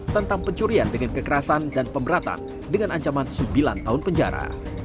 tentang pencurian dengan kekerasan dan pemberatan dengan ancaman sembilan tahun penjara